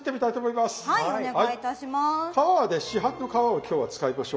市販の皮を今日は使いましょう。